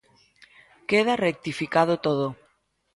Queda rectificado todo.